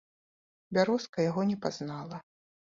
Бярозка яго не пазнала.